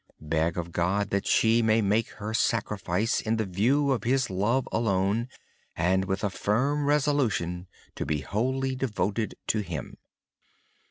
Pray to God that she may take her vows in view of His love alone, and with a firm resolution to be wholly devoted to Him.